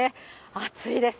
暑いです。